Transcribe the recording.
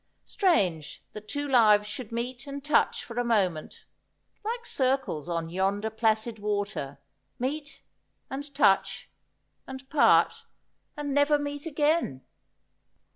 Strange that two lives should meet and touch for a moment, like circles on yonder placid water — meet, and touch, and part, and never meet again